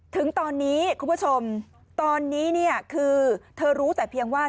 ถึงตอนนี้คุณผู้ชมตอนนี้เนี่ยคือเธอรู้แต่เพียงว่า